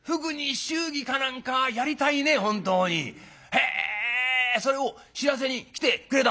へえそれを知らせに来てくれた？」。